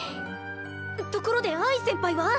ところで愛先輩は？